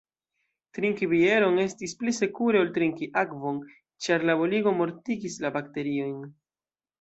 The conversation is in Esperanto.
Trinki bieron estis pli sekure ol trinki akvon, ĉar la boligo mortigis la bakteriojn.